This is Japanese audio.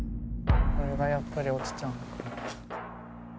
俺がやっぱり落ちちゃうのかな。